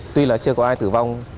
tuy là chưa có ai tử vong